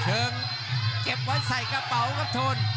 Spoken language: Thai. เชิงเก็บไว้ใส่กระเป๋าครับโชน